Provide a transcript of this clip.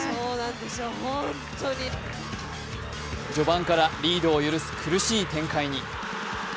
序盤からリードを許す苦しい展開に。